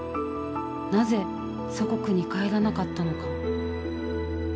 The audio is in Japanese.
「なぜ祖国に帰らなかったのか」。